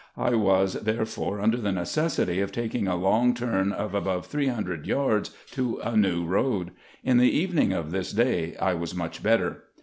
I was therefore under the necessity of taking a long turn of above three hundred yards, to a new road. In the evening of this day I was much better.